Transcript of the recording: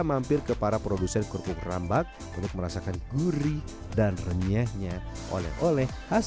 mampir ke para produsen kerupuk rambak untuk merasakan gurih dan renyahnya oleh oleh khas